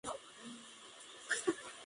Tambourine Man" de the Byrds.